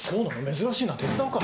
珍しいな手伝おうか。